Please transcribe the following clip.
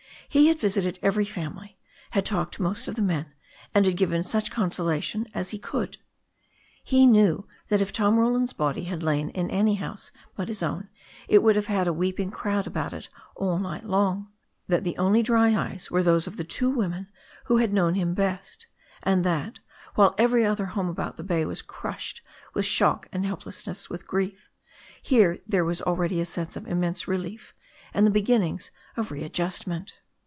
He had visited every family, had talked to most of the men, and had given such consolation as he could. He knew that if Tom Roland's body had lain in any house but its own it would have had a weeping crowd about it all night long, that the only dry eyes were those of the two women who had known him best, and that, while every other home about the bay was crushed with shock and helpless with grief, here there was already the sense of immense relief and the beginnings of readjustment.